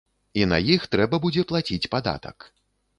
І на іх трэба будзе плаціць падатак.